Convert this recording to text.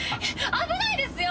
危ないですよ！